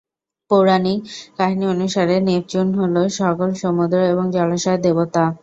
পৌরাণিক কাহিনী অনুসারে নেপচুন হল সকল সমুদ্র এবং জলাশয়ের দেবতা।